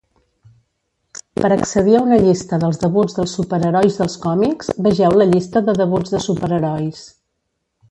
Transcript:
Per accedir a una llista dels debuts dels superherois dels còmics, vegeu la Llista de debuts de superherois.